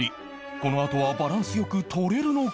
このあとはバランス良く取れるのか？